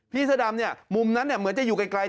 พี่เสื้อดำเนี้ยมุมนั้นเนี้ยเหมือนจะอยู่ไกลไกล